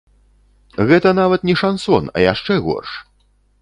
Гэта нават не шансон, а яшчэ горш!